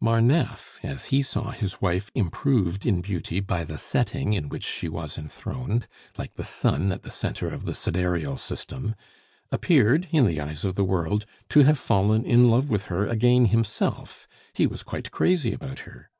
Marneffe, as he saw his wife improved in beauty by the setting in which she was enthroned, like the sun at the centre of the sidereal system, appeared, in the eyes of the world, to have fallen in love with her again himself; he was quite crazy about her.